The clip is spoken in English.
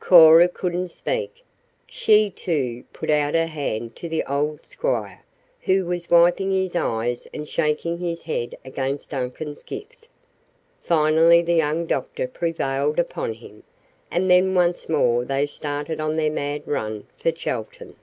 Cora couldn't speak. She, too, put out her hand to the old squire, who was wiping his eyes and shaking his head against Duncan's gift. Finally the young doctor prevailed upon him, and then once more they started on their mad run for Chelton.